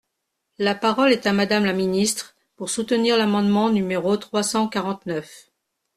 La parole est à Madame la ministre, pour soutenir l’amendement numéro trois cent quarante-neuf.